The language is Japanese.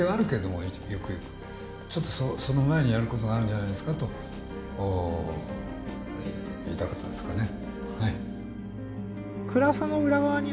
ちょっとその前にやることがあるんじゃないですかと言いたかったですかね。